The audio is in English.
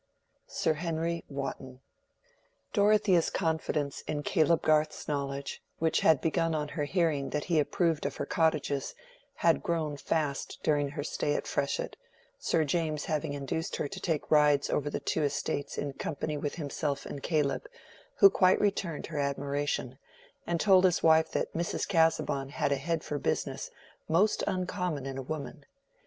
—SIR HENRY WOTTON. Dorothea's confidence in Caleb Garth's knowledge, which had begun on her hearing that he approved of her cottages, had grown fast during her stay at Freshitt, Sir James having induced her to take rides over the two estates in company with himself and Caleb, who quite returned her admiration, and told his wife that Mrs. Casaubon had a head for business most uncommon in a woman.